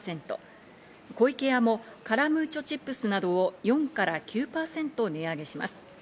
湖池屋もカラムーチョチップスなどを４から９％値上げします。